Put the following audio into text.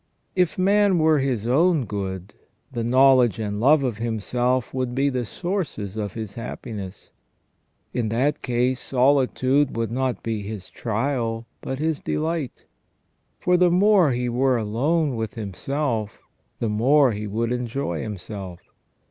If man were his own good, the knowledge and love of himself would be the sources of his happiness. In that case solitude would not be his trial but his delight, for the more he were alone with himself, the more he would enjoy himself.